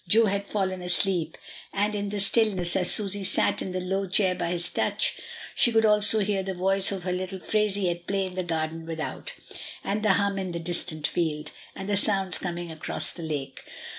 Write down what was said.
Jo had fallen asleep, and in the stillness, as Susy sat in the low chair by his couch, she could also hear the voice of her little Phraisie at play in the garden without, and the hum in the distant field, and the sounds coming across the lake.